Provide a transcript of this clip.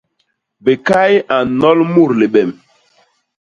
Bikay a nnol mut libem.